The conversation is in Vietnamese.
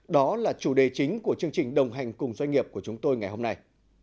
đó là chủ đề chính của chương trình đồng hành cùng doanh nghiệp của chúng tôi ngày hôm nay